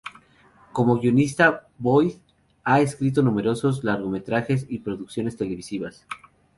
Como guionista Boyd ha escrito numerosos largometrajes y producciones televisivas.